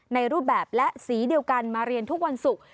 ในรูปแบบและสีเดียวกันมาเรียนทุกวันศุกร์